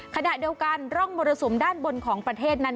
ขณะเดียวกันร่องมรสุมด้านบนของประเทศนั้น